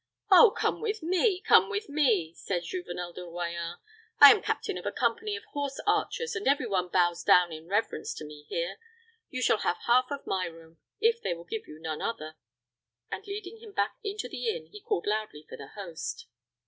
"Oh, come with me, come with me," said Juvenel de Royans. "I am captain of a company of horse archers, and every one bows down in reverence to me here. You shall have half of my room, if they will give you none other;" and, leading him back into the inn, he called loudly for the host.